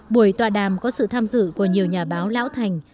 buổi tọa đàm có sự tham dự của nhiều nhà báo lão thành